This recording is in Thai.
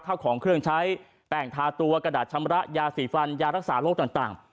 ข้าวของเครื่องใช้แป้งทาตัวกระดาษชำระยาสีฟันยารักษาโรคต่าง